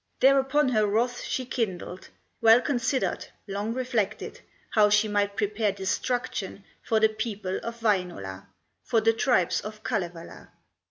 Thereupon her wrath she kindled, Well considered, long reflected, How she might prepare destruction For the people of Wainola, For the tribes of Kalevala.